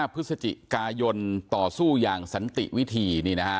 พฤศจิกายนต่อสู้อย่างสันติวิธี